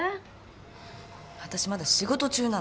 私まだ仕事中なの。